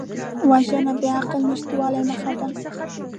وژنه د عقل نشتوالي نښه ده